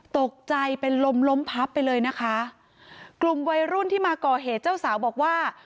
ตกใจเป็นลมล้มพับไปเลยนะคะกลุ่มวัยรุ่นที่มาก่อเหตุเจ้าสาวบอกว่า